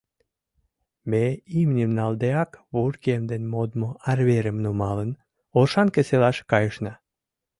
Ме, имньым налдеак, вургем ден модмо арверым нумалын, Оршанке селаш кайышна.